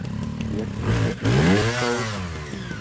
Jak jste se sem dostal?